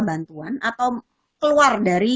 bantuan atau keluar dari